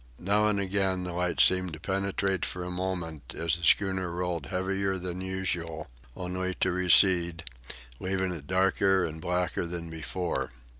Now and again, the light seemed to penetrate for a moment as the schooner rolled heavier than usual, only to recede, leaving it darker and blacker than before.